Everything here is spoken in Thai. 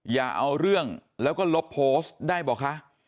อย่าเอาเรื่องแล้วก็ลบโพสต์ได้บอกคะ